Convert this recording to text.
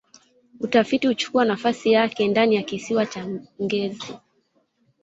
utafiti huchukua nafasi yake ndani ya kisiwa cha ngezi